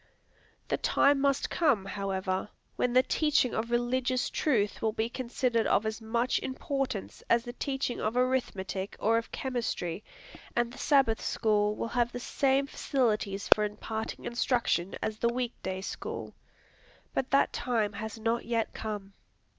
The time must come, however, when the teaching of religious truth will be considered of as much importance as the teaching of arithmetic or of chemistry, and the Sabbath School will have the same facilities for imparting instruction as the week day school. But that time has not yet come.